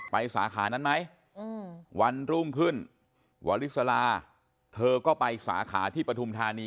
สาขานั้นไหมวันรุ่งขึ้นวอลิสลาเธอก็ไปสาขาที่ปฐุมธานี